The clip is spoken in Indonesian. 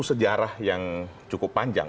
sejarah yang cukup panjang